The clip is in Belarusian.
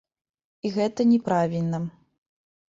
І гэта не правільна.